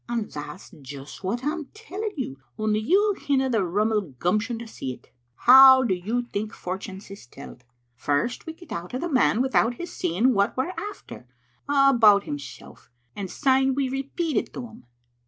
" "And that's just what I am telling you, only you hinna the rumelgumption to see it. How do you think fortunes is telled? First we get out o' the man, with out his seeing what we're after, a' about himsel', and syne we repeat it to him.